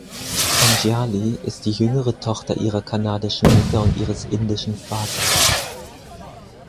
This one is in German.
Anjali ist die jüngere Tochter ihrer kanadischen Mutter und ihres indischen Vaters.